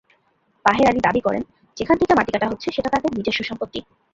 বাহের আলী দাবি করেন, যেখান থেকে মাটি কাটা হচ্ছে সেটা তাদের নিজস্ব সম্পত্তি।